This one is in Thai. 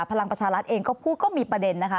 พลังประชารัฐเองก็พูดก็มีประเด็นนะคะ